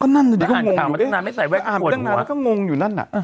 นางนานได้ก็งงอยู่เถอะ